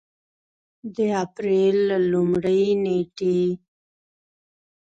د اپرېل له لومړۍ نېټې